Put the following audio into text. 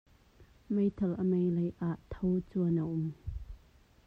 Meithal a meilei ah thocuan a um.